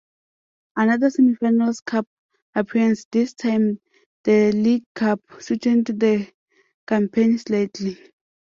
Another semi-finals cup appearance, this time the League Cup, sweetened the campaign slightly.